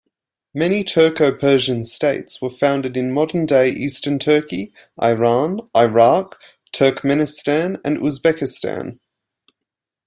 Many Turko-Persian states were founded in modern-day Eastern Turkey, Iran, Iraq, Turkmenistan and Uzbekistan.